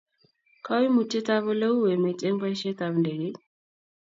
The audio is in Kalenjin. kaimutiet ab ole u emet eng baishet ab ndekeit